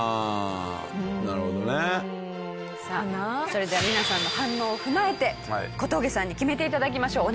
それでは皆さんの反応を踏まえて小峠さんに決めて頂きましょう。